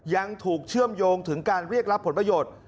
ยังถูกเชื่อมโยงถึงการเรียกรับผลประโยชน์